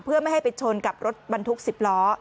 เพื่อไม่ให้ไปชนกับรถบรรทุก๑๐ล้อ